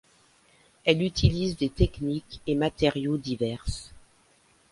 Elle utilise des techniques et matériaux divers.